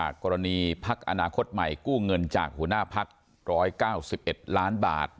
กรณีพักอนาคตใหม่กู้เงินจากหัวหน้าพัก๑๙๑ล้านบาท